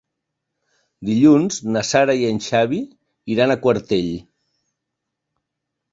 Dilluns na Sara i en Xavi iran a Quartell.